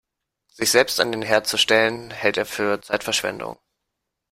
Sich selbst an den Herd zu stellen, hält er für Zeitverschwendung.